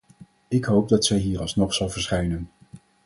Ik hoop dat zij hier alsnog zal verschijnen.